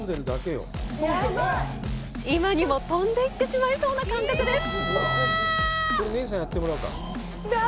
今にも飛んで行ってしまいそうな感覚です。